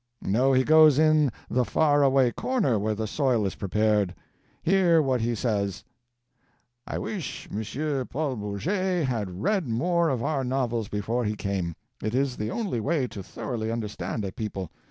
No, he goes in the far away corner where the soil is prepared. Hear what he says: 'I wish M. Paul Bourget had read more of our novels before he came. It is the only way to thoroughly understand a people.